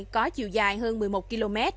có chiều dài hơn một mươi một km